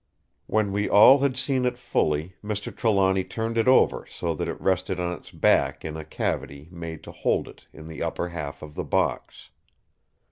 When we all had seen it fully, Mr. Trelawny turned it over so that it rested on its back in a cavity made to hold it in the upper half of the box.